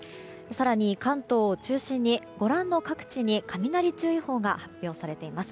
更に関東を中心にご覧の各地に雷注意報が発表されています。